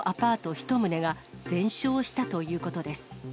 １棟が全焼したということです。